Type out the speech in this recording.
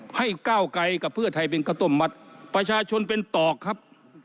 ให้ก้าวไกลกับเพื่อไทยเป็นข้าวต้มมัดประชาชนเป็นตอกครับ